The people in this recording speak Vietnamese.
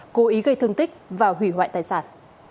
cố ý gây thương tích và hủy hoại tài sản